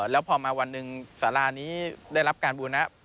แล้วพอมาวันหนึ่งสารานี้ได้รับการบูนะ